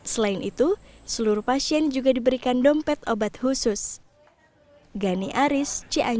selain itu seluruh pasien juga diberikan dompet obat khusus